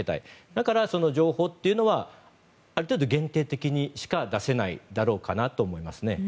だから情報というのはある程度限定的にしか出せないだろうと思いますね。